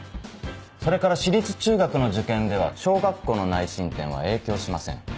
それから私立中学の受験では小学校の内申点は影響しません。